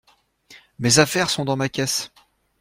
Mes affaires sont dans ma caisse.